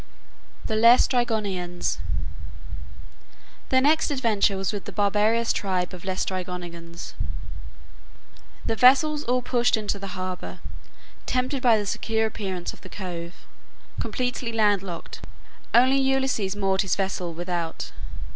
THE LAESTRYGONIANS Their next adventure was with the barbarous tribe of Laestrygonians. The vessels all pushed into the harbor, tempted by the secure appearance of the cove, completely land locked; only Ulysses moored his vessel without.